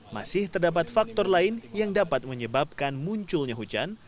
masih terdapat faktor lain yang dapat menyebabkan munculnya hujan